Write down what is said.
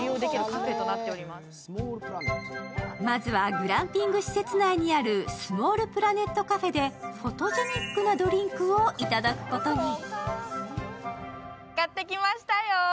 まずはグランピング施設内にあるスモールプラネットカフェでフォトジェニックなドリンクを頂くことに。